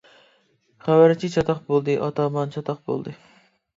خەۋەرچى چاتاق بولدى ئاتامان چاتاق بولدى.